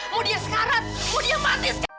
mau dia pingsan